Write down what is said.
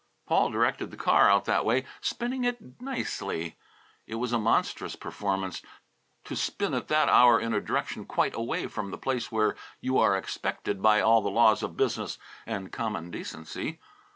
Paul directed the car out that way, spinning it nicely. It was a monstrous performance, to spin at that hour in a direction quite away from the place where you are expected by all the laws of business and common decency.